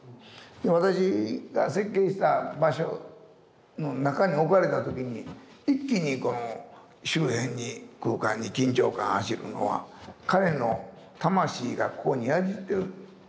私が設計した場所の中に置かれた時に一気に周辺に空間に緊張感が走るのは彼の魂がここに宿っているんだと。